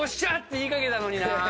言いかけたのにな。